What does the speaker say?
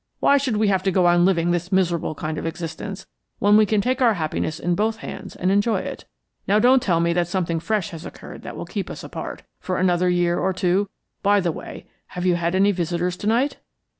Why should we have to go on living this miserable kind of existence when we can take our happiness in both hands and enjoy it? Now don't tell me that something fresh has occurred which will keep us apart, for another year or two? By the way, have you had any visitors to night?"